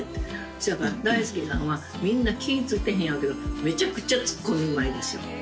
せやから大助さんはみんな気ぃ付いてへんやろうけどめちゃくちゃツッコミうまいですよ。